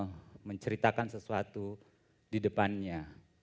lalu bisa menceritakan sesuatu di depannya